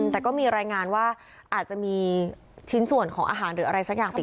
แต่ก็มีรายงานว่าอาจจะมีชิ้นส่วนของอาหารหรืออะไรสักอย่างเป็น